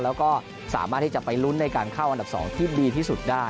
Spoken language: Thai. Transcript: แล้วก็สามารถที่จะไปลุ้นในการเข้าอันดับ๒ที่ดีที่สุดได้